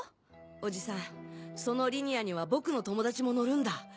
おじさんそのリニアには僕の友達も乗るんだ。